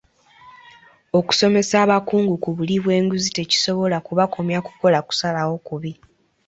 Okusomesa abakungu ku buli bw'enguzi tekisobola kubakomya kukola kusalawo kubi.